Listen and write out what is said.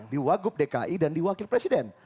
diwagup dki dan diwakil presiden